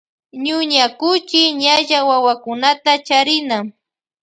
Ñuña kuchi ñalla wawakunta charina.